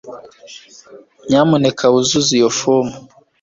Nyamuneka wuzuze iyi fomu